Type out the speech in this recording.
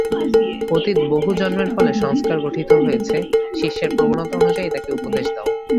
অতীত বহু জন্মের ফলে সংস্কার গঠিত হয়েছে, শিষ্যের প্রবণতা অনুযায়ী তাকে উপদেশ দাও।